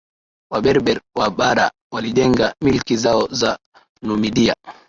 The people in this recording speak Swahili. Waberber wa bara walijenga milki zao za Numidia